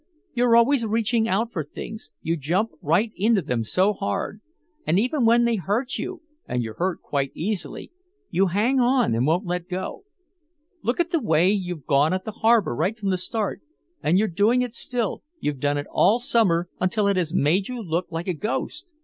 "You're always reaching out for things you jump right into them so hard. And even when they hurt you and you're hurt quite easily you hang on and won't let go. Look at the way you've gone at the harbor right from the start. And you're doing it still you've done it all summer until it has made you look like a ghost.